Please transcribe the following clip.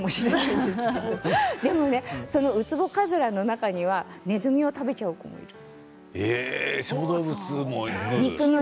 ウツボカズラの中にはネズミを食べちゃう子もいる。